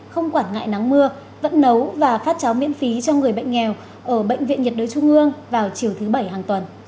không quản ngại nắng mưa vẫn nấu và phát cháo miễn phí cho người bệnh nghèo ở bệnh viện nhiệt đới trung ương vào chiều thứ bảy hàng tuần